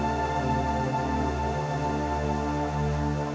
kau sendiri yang menyebabkan perlahan lahan saya hebat